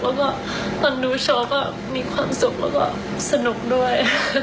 แล้วก็ตอนดูโชว์ก็มีความสุขแล้วก็สนุกด้วย